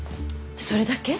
それだけ？